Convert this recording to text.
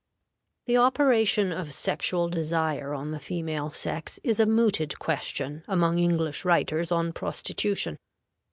The operation of sexual desire on the female sex is a mooted question among English writers on prostitution.